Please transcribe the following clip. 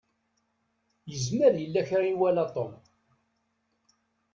Izmer yella kra i iwala Tom.